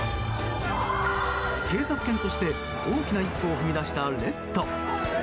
警察犬として大きな一歩を踏み出したレッド。